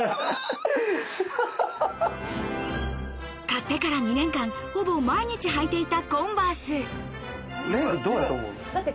買ってから２年間ほぼ毎日履いていたコンバース蓮君どうだと思う？